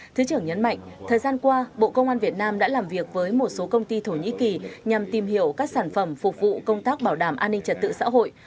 thứ trưởng nhấn mạnh thời gian qua bộ công an việt nam đã làm việc với một số công ty thổ nhĩ kỳ nhằm tìm hiểu các sản phẩm phục vụ công tác bảo đảm an ninh trật tự xã hội